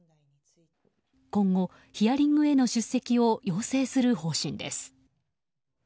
今後、ヒアリングへの出席を要請する方針です。